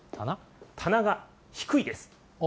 棚が低いです。